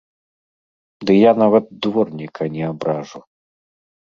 Ды я нават дворніка не абражу!